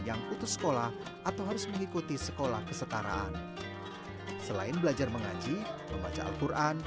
yang putus sekolah atau harus mengikuti sekolah kesetaraan selain belajar mengaji membaca al quran